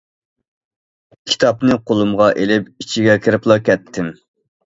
كىتابنى قولۇمغا ئېلىپ ئىچىگە كىرىپلا كەتتىم.